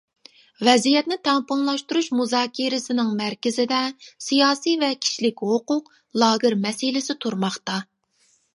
ۋەزىيەتنى تەڭپۇڭلاشتۇرۇش مۇزاكىرىسىنىڭ مەركىزىدە، سىياسىي ۋە كىشىلىك ھوقۇق، لاگېر مەسىلىسى تۇرماقتا.